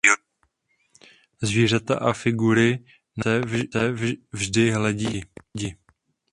Zvířata a figury na vlajce vždy hledí k žerdi.